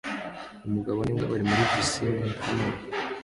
Umugabo n'imbwa bari muri pisine hamwe